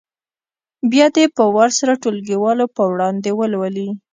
بیا دې په وار سره ټولګیوالو په وړاندې ولولي.